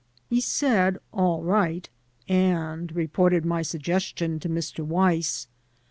He said, "All right," and reported my suggestion to Mr. Weiss.